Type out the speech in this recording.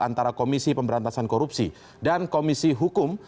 antara komisi pemberantasan korupsi dan komisi hukum